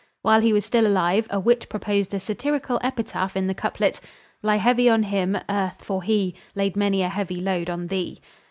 While he was still alive a wit proposed a satirical epitaph in the couplet, "Lie heavy on him, Earth, for he Laid many a heavy load on thee."